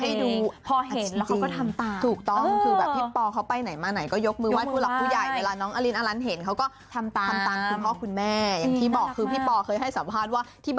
คุณแม่เนี่ยไม่ได้สอนบอกว่าลูกไหว้สิ